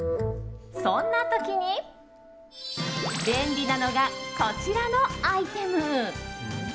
そんな時に便利なのがこちらのアイテム。